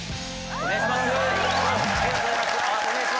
お願いします。